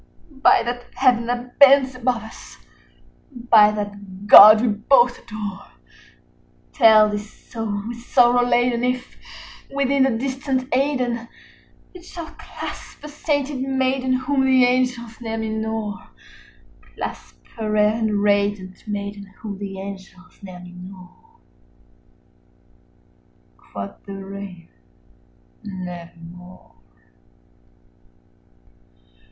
By that Heaven that bends above us, by that God we both adore, Tell this soul with sorrow laden if, within the distant Aidenn, It shall clasp a sainted maiden whom the angels name Lenore: Clasp a rare and radiant maiden whom the angels name Lenore." 95 Quoth the Raven, "Nevermore."